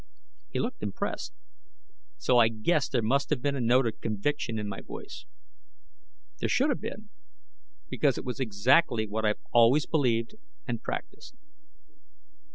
He looked impressed, so I guess there must have been a note of conviction in my voice. There should have been, because it was exactly what I've always believed and practiced.